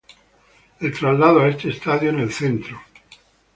El traslado a este estadio en el centro de St.